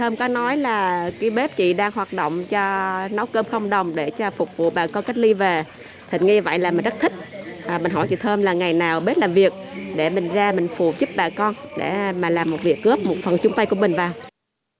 mình hỏi chị thơm là ngày nào bếp làm việc để mình ra mình phụ giúp bà con để mà làm một việc góp một phần chúng tay của mình vào